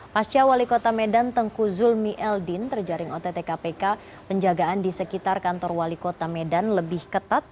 pasca wali kota medan tengku zulmi eldin terjaring ott kpk penjagaan di sekitar kantor wali kota medan lebih ketat